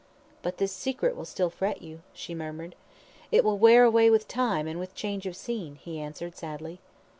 "But this secret will still fret you," she murmured. "It will wear away with time and with change of scene," he answered sadly.